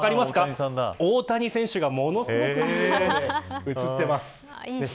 大谷選手がものすごくいい笑顔で写っています。